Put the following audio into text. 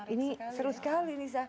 ini seru sekali nisa